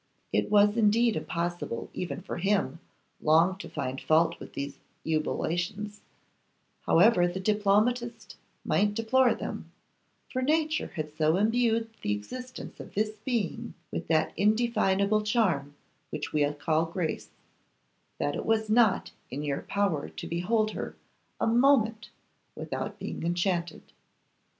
It was indeed impossible even for him long to find fault with these ebullitions, however the diplomatist might deplore them; for Nature had so imbued the existence of this being with that indefinable charm which we call grace, that it was not in your power to behold her a moment without being enchanted.